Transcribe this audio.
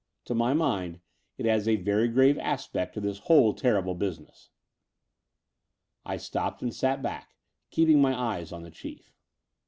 To my mind it adds a very grave aspect to this whole terrible business." I stopped and sat back, keeping my eyes on the Chief.